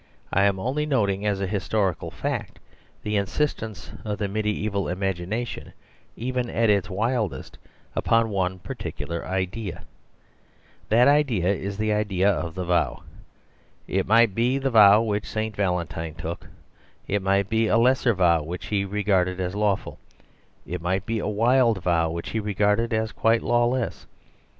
I am only noting as a historical fact the insistence of the mediaeval imagination, even at its wildest, upon one particular idea. That idea is the idea of the vow. It might be the vow which St. Val entine took; it might be a lesser vow which he regarded as lawful ; it might be a wild vow which he regarded as quite lawless.